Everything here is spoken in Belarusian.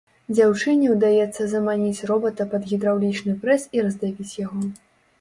Дзяўчыне ўдаецца заманіць робата пад гідраўлічны прэс і раздавіць яго.